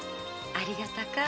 ありがたか。